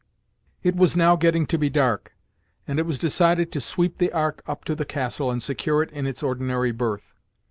It was now getting to be dark, and it was decided to sweep the Ark up to the castle, and secure it in its ordinary berth.